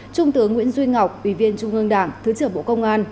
trung tướng nguyễn duy ngọc ủy viên trung ương đảng thứ trưởng bộ công an